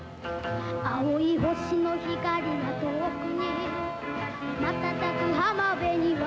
「青い星の光が遠くにまたたく浜辺には」